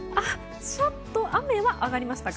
ちょっと雨は上がりましたか。